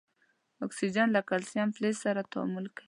اکسیجن له کلسیم فلز سره تعامل کوي.